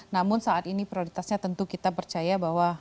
namun saat ini prioritasnya tentu kita percaya bahwa